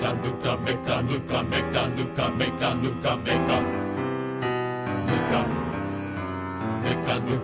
「めかぬかめかぬかめかぬかめかぬかめかぬか」